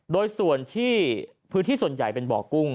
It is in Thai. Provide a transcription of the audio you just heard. โดยส่วนที่พื้นที่ส่วนใหญ่เป็นบ่อกุ้ง